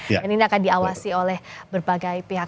dan ini akan diawasi oleh berbagai pihak